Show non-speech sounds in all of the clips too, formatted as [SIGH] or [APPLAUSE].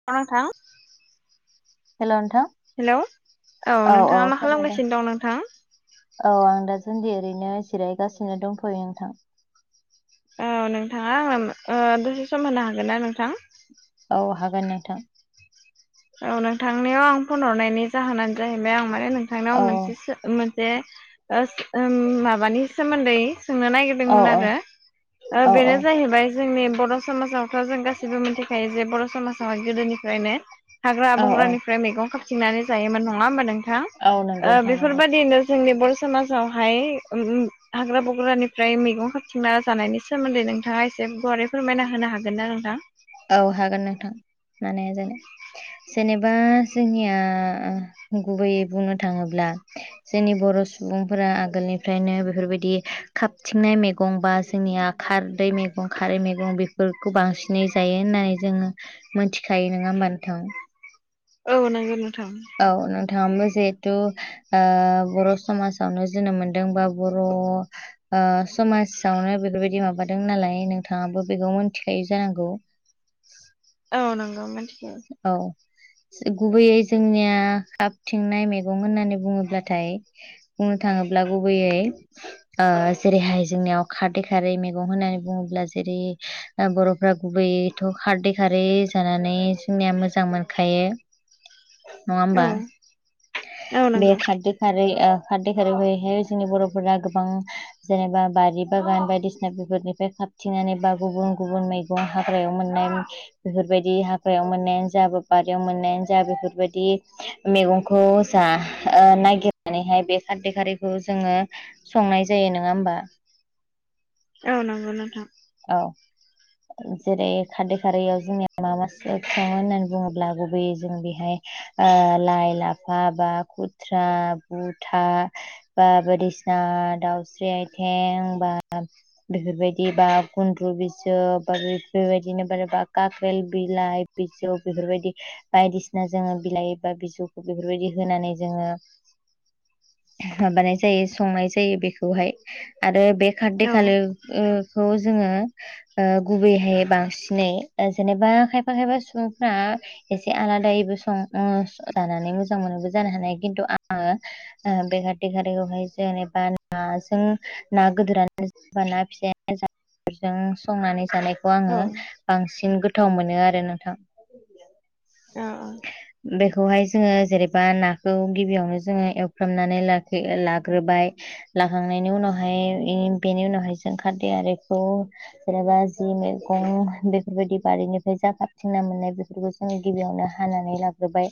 [INAUDIBLE] Hello नोंथां hello औ औ औ नोंथाङा मा खोनादों खालामगासिनो दं नोंथां? औ आं दासोनदि ओरैनो जिरायगासिनो दंफैयो नोंथां। औ नोंथाङा आङो दसे सम होनो हागोन ना नोंथां? औ हागोन नोंथां। औ नोंथांनियाव आं फन हरनायनि जाहोनानो जाहैबाय आं माने नोंथांनियाव औ मोनसे सो मोन से ओस ओम माबानि सोमोन्दै सोंनो औ नागिरदोंमोन आरो औ बेनो औ जाहैबाय जोंनि बर' समाजाव जों गासिबो मिन्थिखायो जे बर' समाजाव गोदोनिफ्रायनो हाग्रा औ औ बंग्रानि फ्राय मैगं खााबथिंनानै जायोमोन नङा होमबा नोंथां। औ ओ नंगौ नोंथां नंगौ बेफोरबायदिनो जोंनि बर' समाजावहाय ओम हाग्रा बग्रानिफ्राय मैगं खाारथिंना जानायनि सोमोन्दै नोंथाङा एसे गुवारै फोरमायना होनो हागोन ना नोंथां? औ हागोन नोंथां मानो हाया जानो। जेनेबा जोंनिया गुबैयै बुंनो थाङोब्ला जोंनि बर' सुबुंफोरा आगोलनिफ्रायनो बेफोरबायदि खाबथिंनाय मैगं बा जोंनिया खारदै मैगं खारै मैगं बेफोरखौ बांसिनै जायो होननानै जोङो मोन्थिखायो। नोङा होमबा नोंथां? औ नोंगौ नोंथां। औ नोंथाङा बो जिहेथु ओ बर' समाजावनो जोनोम मोनदों बा बर' ओ समाजावनो बेफोरबायदि माबादों नालाय नोंथाङाबो बेखौ मोन्थिखायो जानांगौ। औ नंगौ मिन्थिगौ। औ। गुबैयै जोंनिया हाबथिंनाय मैगं होननानै बुङोब्लाथाय बुंनो थाङोब्ला गुबैयै ओ जेरैहाय जोंनियाव खारदै खारै मैगं होननानै बुङोब्ला जेरै ओ बरफ्रा गुबैथ खारदै खारै जानानै जोंनिया मोजां मोनखायो नङा होमबा औ औ बे नंगौ खारदै खारै ओ खारदै खारै बैहाय जोंनि बरफोरा गोबां जेनेबा बारि बागान बायदिसिना बेफोरनिफ्राय खााबथिंनानै बा गुबुन गुबुन मै [UNINTELLIGIBLE] हाग्रायाव मोननाय [UNINTELLIGIBLE] बेफोरबायदि हाग्रायाव मोननायानो जा बारियाव मोननायानो जा बेफोरबायदि मैगं खौ जा ओ नागिरनानैहाय बे खारदै खारिखौ जोङो संनाय जायो नङा होमबा औ नंगौ नोंथां औ जेरै खारदै खारैयाव जोंनिया [UNINTELLIGIBLE] होननानै बुङोब्ला गुबैयै जों बेहाय ओ लाइ लाफा बा खुथ्रा गुथा बा बायदिसिना दाउस्रि आथें बा बेफोरबायदि बा गुन्द्रु बि [UNINTELLIGIBLE] बेबायदिनो [UNINTELLIGIBLE] गाख्रेल बिलाइ बिजौ बेफोरबायदि बायदिसिना जोङो बिलाइ बा बिजौखौ बेफोरबायदि होनानै जोङो माबानाय जायो संनाय जायो बेखौहाय आरो बे खारदै औ खारै ओ खौ जोङो ओ गुबैहाय बांसिनै ओ जेनेबा खायफा खायफा सुबुंफ्रा एसे आलादायैबो सं ओ जानानै मोजां मोनोबो जानो हानाय खिन्थु आङो ओ बे खारदै खारैखौहाय जेनेबा नाजों ना गोदोरानो बा फिसायानो जा [UNINTELLIGIBLE] संनानै जानायखौ आङो औ बांसिन गोथाव मोनो आरो नोंथां [UNINTELLIGIBLE] बेखौहाय जोङो जेरैबा नाखौ गिबियावनो जोङो एवफ्रामनानै लाखि लाग्रोबाय लाखांनायनि उनावहाय इ बेनि उनावहाय जों खारदै आरिखौ जेनेबा जि मैगं बे फोरबायदि बारिनिफ्राय जा खाबथिंना मोननाय बेफोरखौ जों गिबियावनो हानानै लाग्रोबाय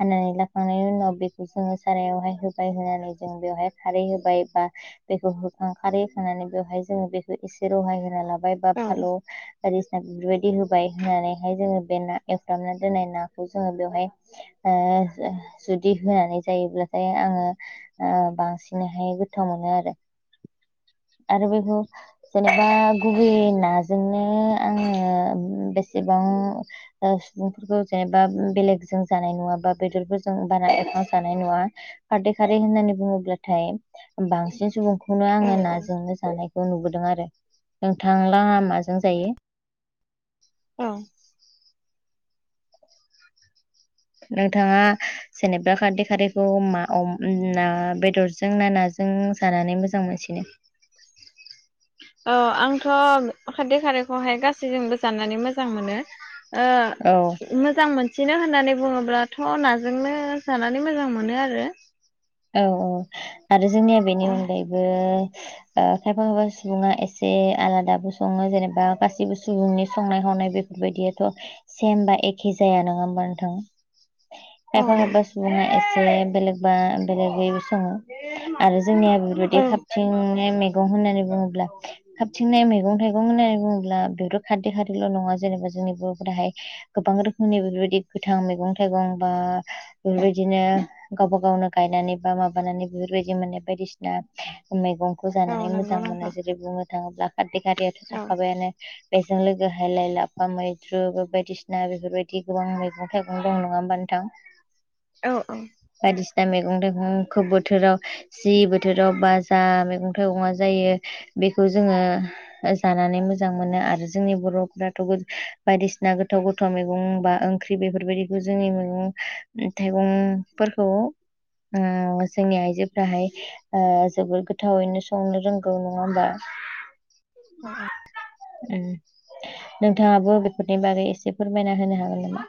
हानानै लाखांनायनि उनाव बेखौ जोङो सारायावहाय होबाय होनानै जों बेवहाय खारै होबाय बा बेखौ होखां खारै होखांनानै बेवहाय जोङो बेखौ एसे रहाय होना लाबाय बा फालौ औ बायदि [UNINTELLIGIBLE] होबाय होनानैहाय जोङो बे ना एवफ्रामना दोननाय नाखौ जोङो बेवहाय ओ जो जुदि होनानै जायोब्लाथाय आङो ओ बांसिनैहाय गोथाव मोनो आरो आरो बेखौ जेनेबा गुबैयै नाजोंनो आङो बेसेबां ओ सुबुंफोरखौ जेनेबा बेलेगजों जानाय नुआ बा बेदरफोरजों बारा एवना जानाय नुआ खारदै खारै होननानै बुङोब्लाथाय बांसिन सुबुं खौनो आङो औ नाजोंनो जानायखौ नुबोदों आरो नोंथांलहा माजों जायो औ नोंथाङा जेनेबा खारदै खारदैखौ मा अम ना बेदरजों ना नाजों जानानै मोजां मोजां मोनसिनो औ आंथ खारदै खारैखौहाय गासैजोंबो जाननानै मोजां मोनो औ ओ मोजां मोन सिनो होननानै बुङोब्लाथ नाजोंनो जानानै मोजां मोनो आरो औ औ आरो जोंनिया बेनि औ अनगायैबो ओ खायफा खायफा सुबुङा एसे आलादाबो सङो जेनेबा गासिबो सुबुंनि संनाय खावनाय बे बायदियाथ सेम बा एखे जाया नङा होमबा नोंथां [INAUDIBLE] खायफा खायफा सुबुङा एसे बेलेगबा बेलेगै सङो आरो जोंनिया नुदि औ खाबथिंनाय मैगं होननानै बुङोब्ला खाबथिंनाय मैगं थाइगं होननानै बुङोब्ला बेथ' खारदै खारैल' नङा जेनेबा जोंनि बर'फोराहाय गोबां रोखोमनि बेफोरबायदि गोथां मैगं थाइगं बा बेफोरबायदिनो गावबा गावनो गायनानै बा माबानानै बेफोरबायदि मोननाय बायदिसिना मैगंखौ औ जानानै नंगौ मोजां मोनो। नोंथां जेरै बुंनो थाङोब्ला खारदै खारैयाथ' औ थाखाबायानो बेजों लोगोहाय लाइ लाफा मैद्रुबो बायदिसिना बेफोरबायदि गोबां मैगं थाइगं दं, नङा होमबा नोंथां? औ औ। बायदिसिना मेगं थाइगंखौ बोथोराव जि बोथोराव बा जा मैगं थाइगंआ जायो बेखौ जोङो ओ जानानै मोजां मोनो आरो जोंनि बर'फ्राथ' गो बायदिसिना गोथाव गोथ थाव मेगं बा ओंख्रि बेफोरबायदिखौ जोंनि मैगं उम थाइगंफोरखौ ओ जोंनि आयजोफोराहाय आ जोबोर गोथावैनो संनो रोंगौ नङा होमबा? औ अ' उम नोंथाङाबो बेफोरनि बागै एसे फोरमायना होनो हागोन नामा?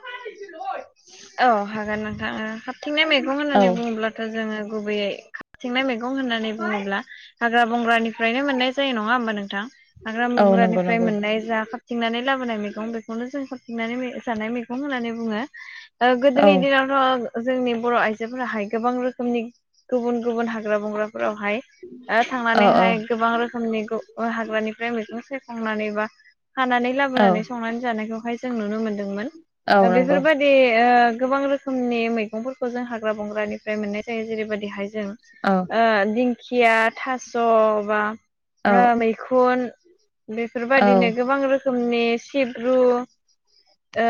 औ हागोन नोंथा ओ खाबथिंनाय मैगं औ होननानै बुङोब्लाथ' जोङो गुबैयै खाबथिंनाय मैग गं होननानै बुङोब्ला हाग्रा बंग्रानिफ्रायनो मोननाय जायो नङा होमबा नोंथां। हाग्रा औ नंगौ मोंग्रानिफ्राय नंगौ मोननाय जा खा थिंनानै लाबोनाय मैगं बेखौनो जों खाबथिंनानै जानाय मैगं होननानै बुङो। ओ औ गोदोनि दिनावथ' जोंनि बर' आइजोफोराहाय गोबां रोखोमनि गुबुन गुबुन हाग ग्रा बंग्राफोरावहाय ओ औ औ थांनानैहाय गोबां रोखोमनि गु अ' हाग्रानिफ्राय मैगं सायखंनानै बा हानानै औ लाबोनानै संनानै जानायखौहाय जों नुनो मोनदोंमोन। औ ओ नंगौ बेफोरबादि यो गोबां रोखोमनि मैगंफोरखौ जों हाग्रा बंग्रानिफ्राय मोननाय जायो। जेरै बादि हाय जों औ ओ दिंखिया थास' बा औ ओ मै खुन औ बेफोरबादिनो गोबां रोखोमनि सिब्रु ओ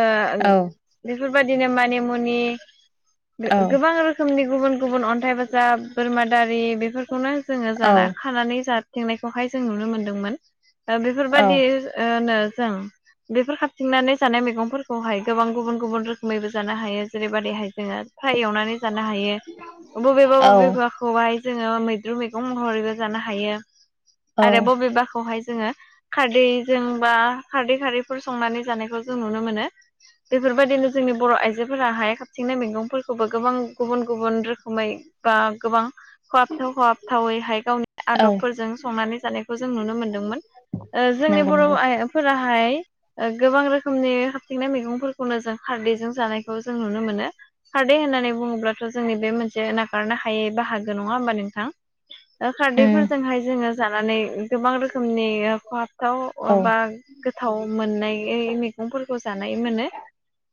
बेफोरबादिनो मानि मुनि औ गो-गोबां रोख खोमनि गुबुन गुबुन अन्थाइ बाजाब, बोरमा दारि बेफोरखौनो जोङो औ जाना खानानै जा थिंनायखौहाय जों नुनो मोनदोंमोन। ओ बेफोरबायदि औ ओ नो जों बेफोर खाबथिंनानै जानाय मैगंफोरखौहाय गोबां गुबुन गुबुन रोख खोमैबो जानो हायो। जेरै बादिहाय जोङो फ्राय एवनानै जानो हायो। बबेबा बबेबा खौहाय जोङो मैद्रु मैगं महरैबो जानो हायो। औ आरो बबेबाखौहाय जोङो। खारदैजों बा खारदै खारैफोर संनानै जानायखौ जों नुनो मोनो। बेफोरबादिनो जोंनि बर' आइजोफोरा हाय खाबथिंनो मैगंफोरखौबो गोबां गुबुन गुबुन रोखोमै बा गोबां खहाबथाव खहाबथावैहाय गावनि औ आदबफोरजों संनानै जानायखौ जों नुनो मोनदोंमोन। ओ जोंनि नंगौ बर' नंगौ आय ओ फोराहाय ओ गोबां रोखोमनि खाबथिंनाय मैगंफोरखौनो जों खारदैजों जानायखौ जों नुनो मोनो। खारदै होननानै बुङोब्लाथ' जोंनि बे मोनसे नागारनो हायै बाहागो नङा होमबा नोंथां। ओ उम खारदैफोरजोंहाय जोङो जानानै उम गोबां रोखोमनि फहाबथाव ओ औ बा गोथाव मोननायै मैगंफोरखौ जानाय मोनो।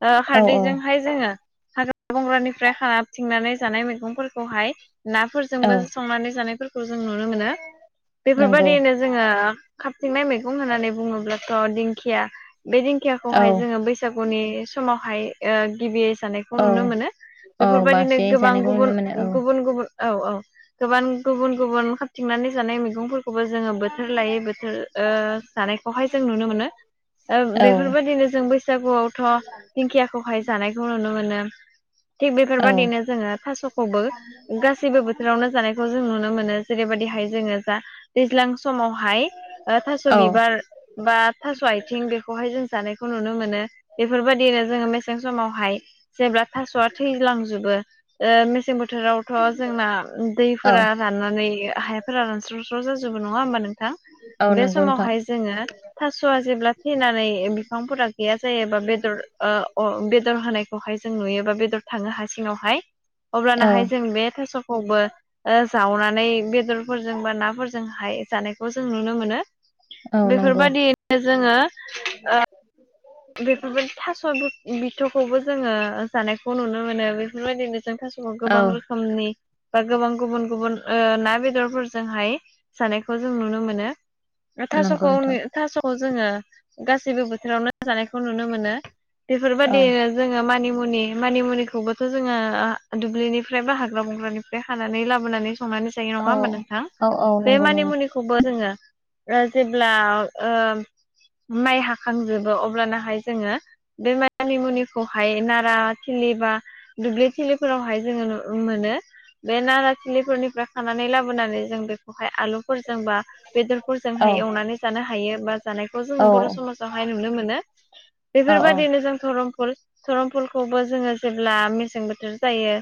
ओ औ औ खारदैजोंहाय जोङो हाग्रा बंग्रानिफ्राय खाबथिंनानै जानाय मैगंफोरखौहाय ना औ फोरजोंबो संनानै जानायफोरखौ जों नुनो मोनो। नंगौ बेफोरबादिनो जोङो खाबथिंनाय मैगं होननानै बुङोब्लाथ' दिंखिया बे औ दिंखियाखौहाय जोङो बैसागुनि समावहाय ओ गिबि जानायखौ औ नुनो मोनो। औ बेफोरबायदिनो बांसिनै गोबां जानायखौ नुनो गुबुन मोनो गुबुन गुबुन औ औ गोबां गुबुन गुबुन खाबथिंनानै जानाय मैगं खौबो जोङो बोथोर लायै बोथोर जानायखौहाय जों नुनो मोनो ओं औ बेफोरबायदिनो जों बैसागुआवथ' दिंखियाखौहाय जानायखौ नुनो मोनो थिग बेफोरबायदिनो जोङो थास'खौबो गासैबो बोथोरावनो जानायखौ जों नुनो मोनो जेरैबायदिहाय जोङो जा दैज्लां समावहाय थास' औ बिबार बा थास' आथिं बेखौहाय जों जानायखौ नुनो मोनो बेफोरबायदिनो जोङो मेसें समावहाय जेब्ला थास'आ थैलांजोबो मेसें बोथोराव थ' जोंना औ दैफोरा राननानै हाफोरा रानस्रावस्राव जाजोबो नङा होमबा नोंथां औ बे नंगौ नोंथां समावहाय जोङो थास'आ जेब्ला थैनानै बिफांफोरा गैया जायोबा बेदर ओ अ बेदर होनायखौहाय जों नुयोबा बेदर थाङो हासिङावहाय औ अब्लानाहाय जों बे थास'खौबो जावनानै बेदरफोरजों बा नाफोरजों हाय जानायखौ जों नुनो मोनो औ नंगौ बेफोरबायदिनो जोङो बेफोरबायदि थास' बिथ'खौबो जोङो जानायखौ नुनो मोनो बेफोरबायदिनो जों थास' अ औ गोबां रोखोमनि बा गोबां गुबुन गुबुन ओ ना बेदरफोरजोंहाय जानायखौ जों नुनो मोनो नंगौ थास'खौ नोंथां थास'खौ जोङो गासैबो बोथोरावनो जानायखौ नुनो मोनो औ बेफोरबादि जोङो मानिमुनि मानिमुनिखौबोथ' जोङो आ दुब्लिनिफ्राय बा हाग्रा बंग्रानिफ्राय खानानै लाबोनानै संनानै जायो औ होनबा नोंथां औ औ बे नंगौ नंगौ मानिमुनि खौबो जोङो ओ जेब्ला ओ माइ हाखांजोब अ अब्लानाहाय जोङो बे मानि मुनिखौहाय नारा थिलि बा दुब्लि थिलिफोरावहाय जोङो नु मोनो बे नाराथिलिफोरनिफ्राय खानानै लाबोनानै जों बेखौहाय आलुफोरजों बा औ बेदरफोरजोंहाय एवनानै जानो हायो बा जानायखौ औ जोङो बर' समाजावहाय नुनो मोनो औ बेफोरबायदिनो जों धरमफुल धरमफुलखौबो जोङो जेब्ला मेसें बोथोर जायो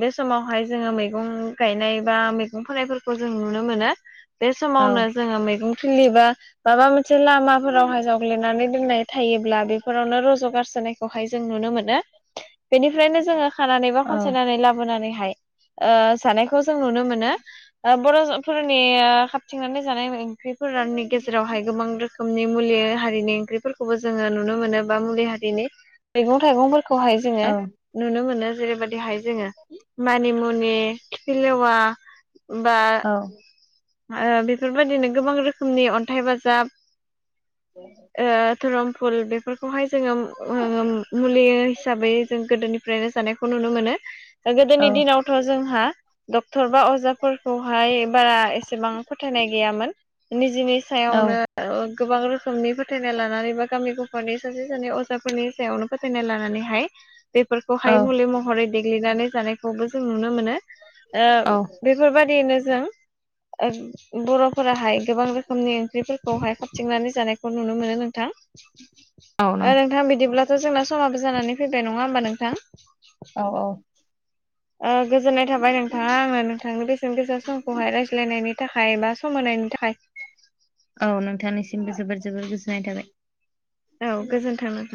बे समावहाय जोङो मैगं गायनाय बा मैगं फोनायफोरखौ जों नुनो मोनो बे औ समावनो जोङो मैगं थिलि बा माबा मोनसे लामाफोरावहाय जावग्लिनानै दोननाय थायोब्ला बेफोरावनो रज' गारसोनायखौहाय जों नुनो मोनो बेनिफ्रायनो जोङो [UNINTELLIGIBLE] [INAUDIBLE] बर'फोरनि खाबथिंनानै जानाय ओंख्रिफोरनि गेजेरावहाय गोबां रो रोखोमनि मुलि हारिनि ओंख्रिफोरखौबो जोङो नुनो मोनो बा मुलि हारिनि मैगं थाइगंफोरखौ खौहाय जोङो औ नुनो मोनो जेरैबायदिहाय जोङो मानिमुनि खिफिलेवा बा बेफोरबायदिनो गोबां रोखोमनि अन्थाइ बाजाब ओ धरफुल बेफोरखौहाय जोङो मुलि हिसाबै जों गोदोनि फनो [UNINTELLIGIBLE] जानायखौ नुनो मोनो गोदोनि दिनावथ' जोंहा डक्टर बा अजाफोरखौहाय बारा बेसेबां फोथायनाय गैयामोन निजेनि सायावनो गोबां रोखोमनि फोथायनाय लानानै गामि गफानि सासे सानै अजाफोरनि सायावनो फोथायनाय लानानैहाय बेफोरखौहाय औ मुलि महरै देग्लिनानै जानायखौबो जों नुनो मोनो ओ बेफोरबादियैनो जों बर'फोराहाय गोबां रोखोमनि फोरखौहाय खाबथिंनानै जानायखौ नुनो मोनो नोंथां नोंथां बिदिब्ला द' जोंना समाबो जानानै फैबाय नङा होनोमबा नोंथां औ औ गोजोननाय थाबाय नोंथाङा आङो नोंथांनि बेसेन गोसा समखौहाय रायज्लायनायनि थाखाय बा सम होनायनि थाखाय औ नोंथांनिसिमबो जोबोर जोबोर गोजोननाय थाबाय औ गोजोन्थों नोंथां